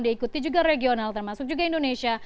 diikuti juga regional termasuk juga indonesia